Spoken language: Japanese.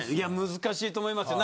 難しいと思いますよ。